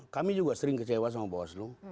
kami juga sering kecewa sama bawaslu